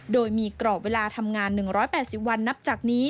โดยมีกรอบเวลาทำงาน๑๘๐วันนับจากนี้